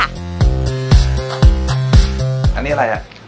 อันนี้อะไรอ่ะ